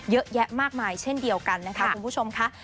เยอะแยะมากมายเช่นเดียวกันนะคะคุณผู้ชมค่ะ